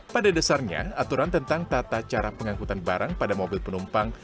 pada dasarnya aturan tentang tata cara pengangkutan barang pada mobil penumpang